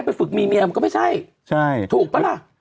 ฝึกมีเมียมันก็ไม่ใช่ถูกปะล่ะ